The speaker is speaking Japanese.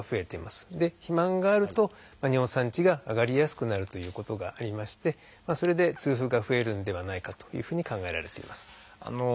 で肥満があると尿酸値が上がりやすくなるということがありましてそれで痛風が増えるんではないかというふうに考えられています。